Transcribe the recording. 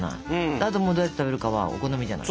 あともうどうやって食べるかはお好みじゃない。